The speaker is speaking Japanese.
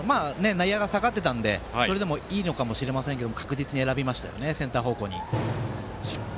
内野が下がっていたのでそれでもいいのかもしれませんが確実にセンター方向に選びました。